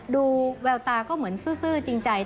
ดูแววตาก็เหมือนซื่อจริงใจ